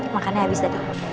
makannya habis tentang